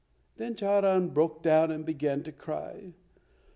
Then Charan broke down and began to cry.